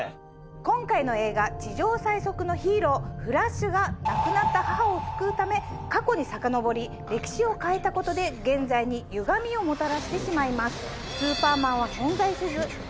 今回の映画地上最速のヒーローフラッシュが亡くなった母を救うため過去にさかのぼり歴史を変えたことで現在に歪みをもたらしてしまいます。